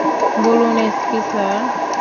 বলুন, SP sir.